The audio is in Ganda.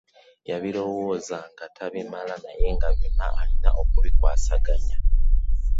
Yabirowozaamu nga tabimala naye nga byonna alina okubikwasaganya ,